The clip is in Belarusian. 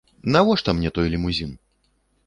Навошта мне той лімузін?